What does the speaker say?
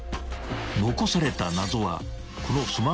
［残された謎はこの］